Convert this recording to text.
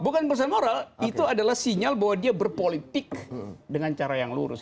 bukan urusan moral itu adalah sinyal bahwa dia berpolitik dengan cara yang lurus